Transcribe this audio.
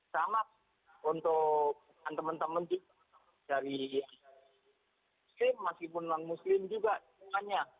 sama untuk teman teman juga dari ya masih pun non muslim juga semuanya